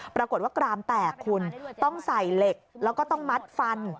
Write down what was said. ปรากฏว่ากรามแตกคุณต้องใส่เหล็กแล้วก็ต้องมัดฟัน